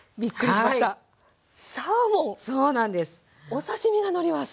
お刺身がのります。